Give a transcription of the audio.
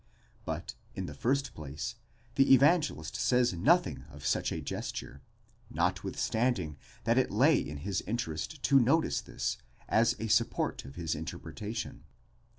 But, in the first place, the Evangelist says nothing of such a gesture, notwithstanding that it lay in his interest to notice this, as a support of his interpretation.